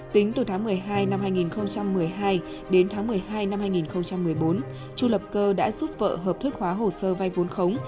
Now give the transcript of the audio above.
tính từ tháng một mươi hai năm hai nghìn một mươi hai đến tháng một mươi hai năm hai nghìn một mươi bốn chu lập cơ đã giúp vợ hợp thức hóa hồ sơ vay vốn khống